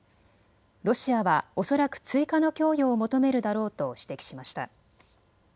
ロシアは恐らく追加の供与を求めるだろうと指摘しました。